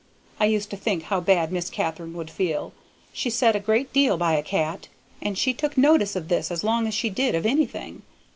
I used to think how bad Miss Katharine would feel; she set a great deal by a cat, and she took notice of this as long as she did of anything.